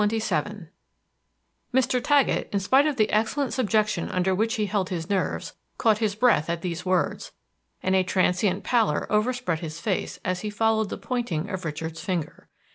"_ XXVII Mr. Taggett, in spite of the excellent subjection under which he held his nerves, caught his breath at these words, and a transient pallor overspread his face as he followed the pointing of Richard's finger.